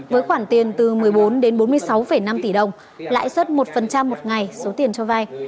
với khoản tiền từ một mươi bốn đến bốn mươi sáu năm tỷ đồng lãi suất một một ngày số tiền cho vay